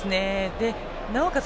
なおかつ